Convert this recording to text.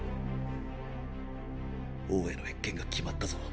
王への謁見が決まったぞ。